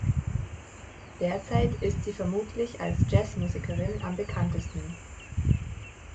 Derzeit ist sie vermutlich als Jazzmusikerin am bekanntesten.